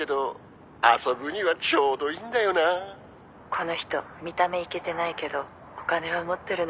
この人見た目イケてないけどお金は持ってるのよね。